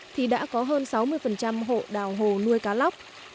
thì đã có hơn sáu mươi hộ đã nuôi cá lóc sinh sản